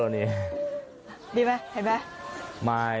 นี่ดีไหมเห็นไหม